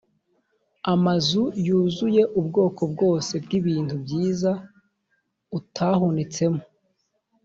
amazu yuzuye ubwoko bwose bw’ibintu byiza utahunitsemo,